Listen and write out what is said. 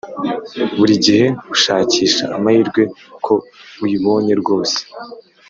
buri gihe ushakisha, amahirwe ko uyibonye rwose.